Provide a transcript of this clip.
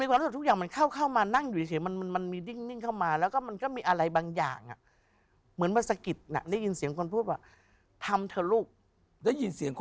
แล้วเสียงเหล่านั้นมันมาจากไหนถึง